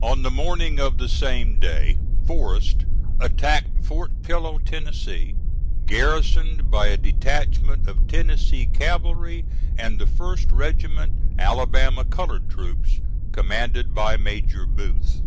On the morning of the same day Forrest attacked Fort Pillow, Tennessee, garrisoned by a detachment of Tennessee cavalry and the 1st Regiment Alabama colored troops, commanded by Major Booth.